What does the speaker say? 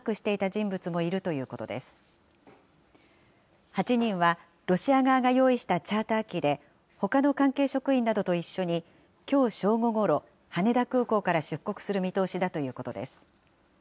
８人はロシア側が用意したチャーター機で、ほかの関係職員などと一緒に、きょう正午ごろ、羽田空港から出国する見通しだということです。